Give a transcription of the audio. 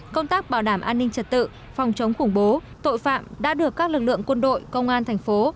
công tác bảo đảm an ninh trật tự phòng chống khủng bố tội phạm đã được các lực lượng quân đội công an thành phố